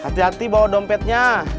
hati hati bawa dompetnya